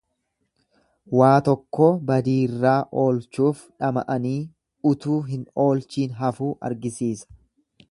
Waa tokkoo badiirraa oolchuuf dhama'anii utuu hin olchiin hafuu argisiisa.